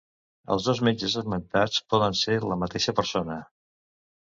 Els dos metges esmentats poden ser la mateixa persona.